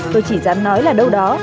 tôi chỉ dám nói là đâu đó